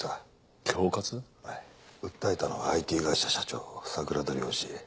はい訴えたのはＩＴ会社社長桜田良次。